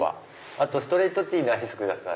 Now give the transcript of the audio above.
あとストレートティーアイスでください。